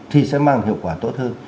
thì sẽ mang hiệu quả tốt hơn